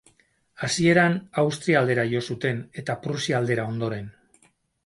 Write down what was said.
Hasieran Austria aldera jo zuten eta Prusia aldera ondoren.